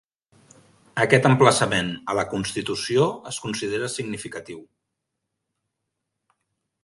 Aquest emplaçament a la Constitució es considera significatiu.